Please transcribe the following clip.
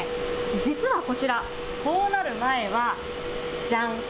実はこちら、こうなる前は、じゃん。